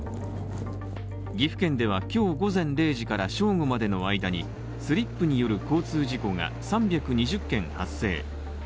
岐阜県では今日午前０時から正午までの間に、スリップによる交通事故が３２０件、発生。